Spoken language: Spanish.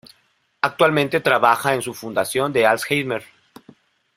Actualmente trabaja en su fundación de Alzheimer.